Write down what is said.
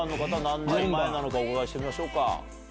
何年前なのかお伺いしてみましょうか。